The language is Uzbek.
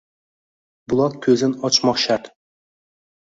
Buloq ko‘zin ochmoq shart.